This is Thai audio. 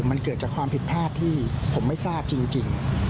มันเกิดจากความผิดพลาดที่ผมไม่ทราบจริง